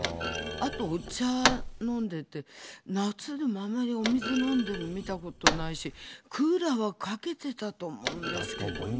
あとお茶飲んでて、夏でもあんまりお水飲んでるの見たことないし、クーラーはかけてたと思うんですけどね。